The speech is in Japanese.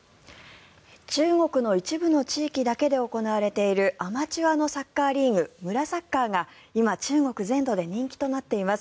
中国の一部の地域だけで行われているアマチュアのサッカーリーグ村サッカーが今、中国全土で人気となっています。